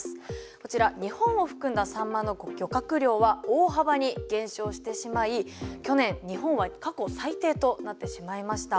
こちら日本を含んだサンマの漁獲量は大幅に減少してしまい去年日本は過去最低となってしまいました。